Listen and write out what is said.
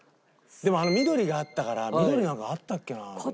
でもあの緑があったから緑なんかあったっけな？と思って。